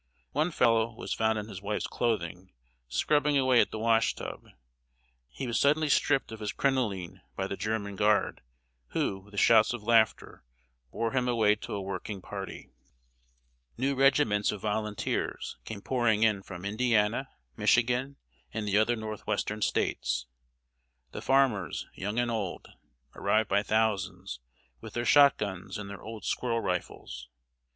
One fellow was found in his wife's clothing, scrubbing away at the wash tub. He was suddenly stripped of his crinoline by the German guard, who, with shouts of laughter, bore him away to a working party. New regiments of volunteers came pouring in from Indiana, Michigan, and the other Northwestern States. The farmers, young and old, arrived by thousands, with their shot guns and their old squirrel rifles.